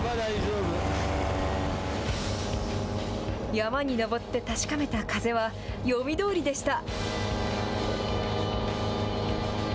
山に登って確かめた風は、読みどおりでした。